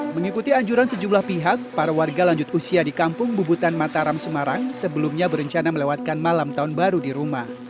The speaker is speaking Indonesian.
mengikuti anjuran sejumlah pihak para warga lanjut usia di kampung bubutan mataram semarang sebelumnya berencana melewatkan malam tahun baru di rumah